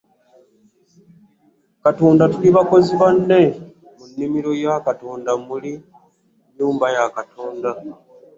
Katonda tuli bakozi banne: muli nnimiro ya Katonda, muli nnyumba ya Katonda.